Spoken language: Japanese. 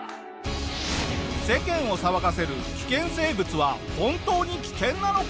世間を騒がせる危険生物は本当に危険なのか？